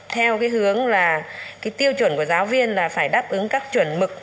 theo cái hướng là cái tiêu chuẩn của giáo viên là phải đáp ứng các chuẩn mực